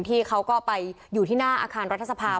ที่เขาก็ไปอยู่ที่หน้าอาคารรัฐสภา